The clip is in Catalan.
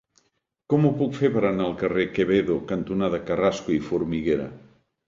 Com ho puc fer per anar al carrer Quevedo cantonada Carrasco i Formiguera?